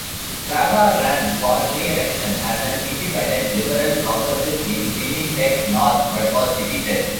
Scraba ran for re-election as an "Independent Liberal-Progressive" in Winnipeg North, but was defeated.